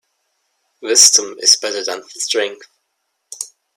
Wisdom is better than strength.